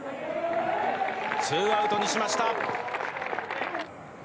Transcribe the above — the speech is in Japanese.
２アウトにしました。